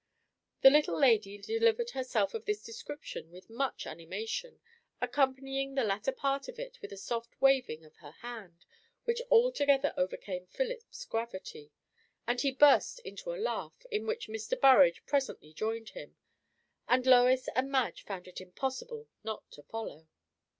The little lady delivered herself of this description with much animation, accompanying the latter part of it with a soft waving of her hand; which altogether overcame Philip's gravity, and he burst into a laugh, in which Mr. Burrage presently joined him; and Lois and Madge found it impossible not to follow.